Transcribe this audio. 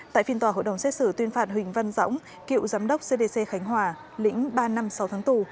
tại phiên tòa hội đồng xét xử tuyên phạt huỳnh văn dõng cựu giám đốc cdc khánh hòa lĩnh ba năm sáu tháng tù